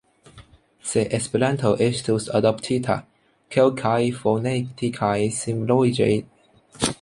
Se Esperanto estus adoptita, kelkaj fonetikaj simpligoj estus necesaj por tiu funkcio.